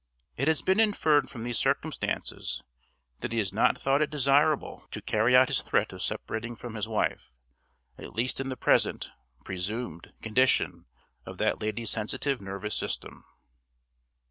It has been inferred from these circumstances that he has not thought it desirable to carry out his threat of separating from his wife, at least in the present (presumed) condition of that lady's sensitive nervous system.